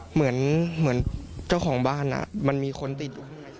เหมือนเจ้าของบ้านมันมีคนติดอยู่